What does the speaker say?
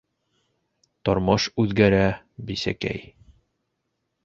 Тормош үҙгәрә, бисәкәй.